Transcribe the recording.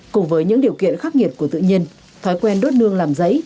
cùng với những điều kiện khắc nghiệt của tự nhiên thói quen đốt nương làm giấy